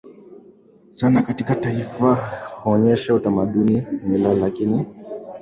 sana katika taifa kuonyesha utamaduni mila lakini pia kufikisha ujumbe Tunajua kwamba sana